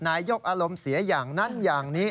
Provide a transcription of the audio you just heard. นายกอารมณ์เสียอย่างนั้นอย่างนี้